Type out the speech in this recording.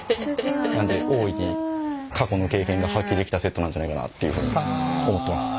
なんで大いに過去の経験が発揮できたセットなんじゃないかなっていうふうに思ってます。